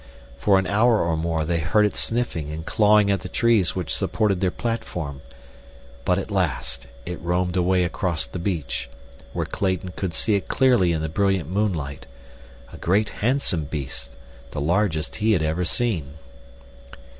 For an hour or more they heard it sniffing and clawing at the trees which supported their platform, but at last it roamed away across the beach, where Clayton could see it clearly in the brilliant moonlight—a great, handsome beast, the largest he had ever seen.